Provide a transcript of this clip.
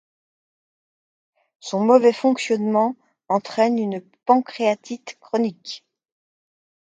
Son mauvais fonctionnement entraîne une pancréatite chronique.